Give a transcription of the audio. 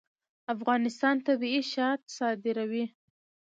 افغانستان طبیعي شات صادروي